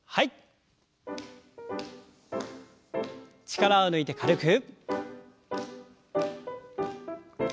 力を抜いて軽く。